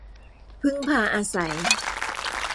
พึ่งพาอาศัย